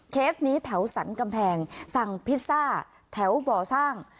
เคสนี้แถวสรรกำแพงสั่งพิซซ่าแถวบ่อสร้าง